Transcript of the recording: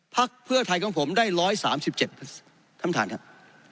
พักเพื่อไทยของผมได้๑๓๗ท่านประธานครับ